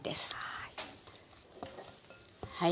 はい。